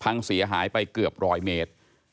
พังเสียหายไปเกือบร้อยเมตร